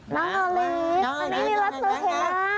น้องโอลีฟอันนี้มีลัดสุดเทลา